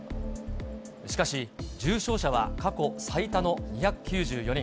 しかし、重症者は過去最多の２９４人。